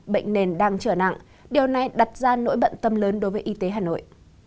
bệnh nền đang trở nặng điều này đặt ra nỗi bận tâm lớn đối với y tế hà nội